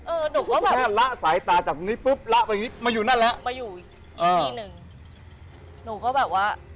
เออหนูก็แบบ